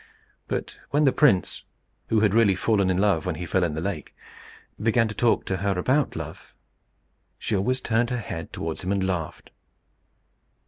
But when the prince, who had really fallen in love when he fell in the lake, began to talk to her about love, she always turned her head towards him and laughed.